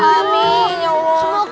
amin ya allah semoga